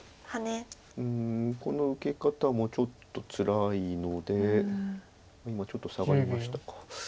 うんこの受け方もちょっとつらいので今ちょっと下がりましたか。